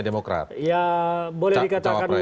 demokrat ya boleh dikatakan